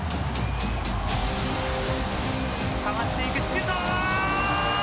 かわしていく、シュート！